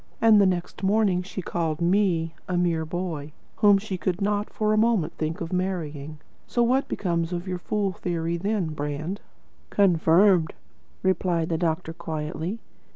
And the next morning she called ME 'a mere boy,' whom she could not for a moment think of marrying. So what becomes of your fool theory, Brand?" "Confirmed," replied the doctor quietly.